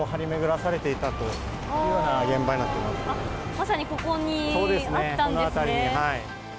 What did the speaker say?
まさにここにあったんですね。